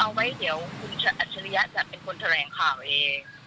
เอาไว้เดี๋ยวคุณอัจฉริยะจะเป็นคนแถลงข่าวเอง